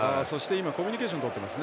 コミュニケーションをとっています。